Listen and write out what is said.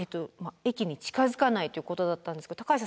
駅に近づかないっていうことだったんですけど高橋さん